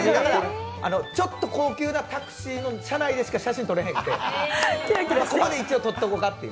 ちょっと高級なタクシーの車内でしか写真撮れへんくてここで一応撮っておこうかという。